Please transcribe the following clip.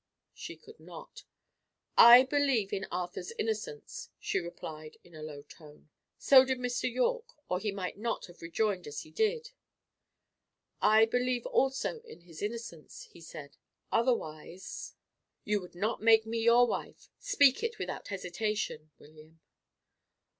She could not. "I believe in Arthur's innocence," she replied, in a low tone. So did Mr. Yorke, or he might not have rejoined as he did. "I believe also in his innocence," he said. "Otherwise " "You would not make me your wife. Speak it without hesitation, William."